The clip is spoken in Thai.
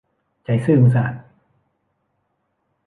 ใจซื่อมือสะอาด